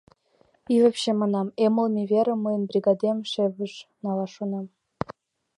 И вообще, — манам, — эмлыме верым мыйын бригадем шефыш налаш шона.